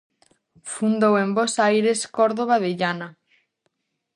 Fundou en Bos Aires Córdoba de Llana.